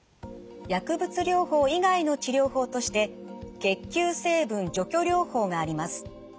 薬物療法以外の治療法として血球成分除去療法があります。